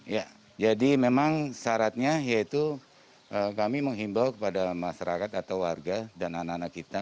ya jadi memang syaratnya yaitu kami menghimbau kepada masyarakat atau warga dan anak anak kita